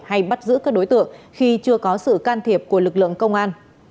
hay bắt giữ các đối tượng khi chưa có sự can thiệp của lực lượng công an